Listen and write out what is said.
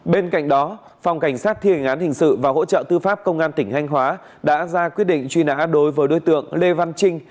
bên cạnh đó phòng cảnh sát thiên án hình sự và hỗ trợ tư pháp công an tỉnh thanh hóa đã ra quyết định truy nã đối với đối tượng lê văn trinh